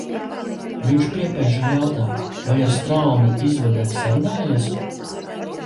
Viņš piepeži jautā: vai ar Straumi izvadē sarunājies?